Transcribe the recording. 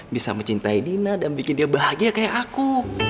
bisa mencintai dina dan bikin dia bahagia kayak aku